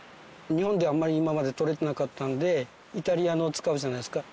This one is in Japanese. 日本であんまり今まで取れてなかったのでイタリアの使うじゃないですか。